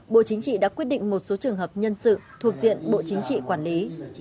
bộ chính trị đã quyết định một số trường hợp nhân sự thuộc diện bộ chính trị quản lý